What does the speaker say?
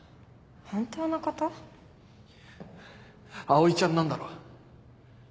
葵ちゃんなんだろ？